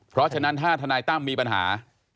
เพราะฉะนั้นถ้าทนายตั้มมีปัญหา